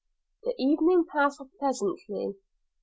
The evening passed off pleasantly.